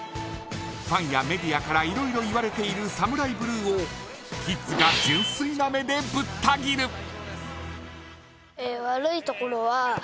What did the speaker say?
ファンやメディアからいろいろ言われているサムライブルーをキッズが純粋な目でぶった斬る。